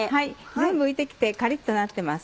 全部浮いて来てカリっとなってます。